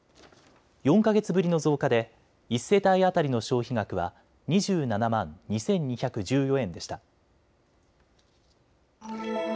４か月ぶりの増加で１世帯当たりの消費額は２７万２２１４円でした。